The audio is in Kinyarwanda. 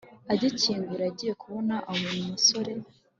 agikingura yagiye kubona abona umosore